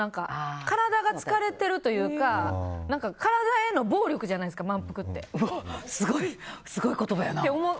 体が疲れてるというか体への暴力じゃないですかすごい言葉やな。